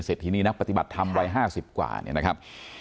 เสร็จทีนี้นักปฏิบัติทำวัย๕๐กว่าเนี่ยนะครับ